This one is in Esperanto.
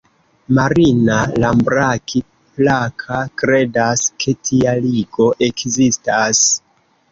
Marina Lambraki-Plaka kredas ke tia ligo ekzistas.